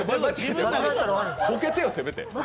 ボケてよ、せめて。